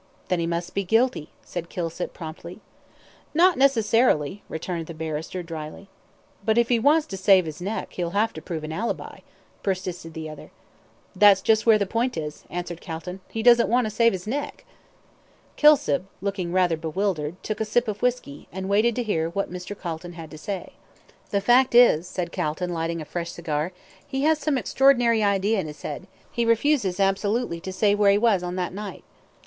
"Then he must be guilty," said Kilsip, promptly. "Not necessarily," returned the barrister, drily. "But if he wants to save his neck, he'll have to prove an ALIBI," persisted the other. "That's just where the point is," answered Calton. "He doesn't want to save his neck." Kilsip, looking rather bewildered, took a sip of whisky, and waited to hear what Mr. Calton had to say. "The fact is," said Calton, lighting a fresh cigar, "he has some extraordinary idea in his head. He refuses absolutely to say where he was on that night."